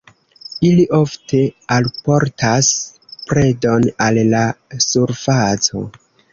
Ili ofte alportas predon al la surfaco.